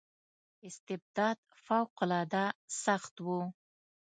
استبداد فوق العاده سخت و.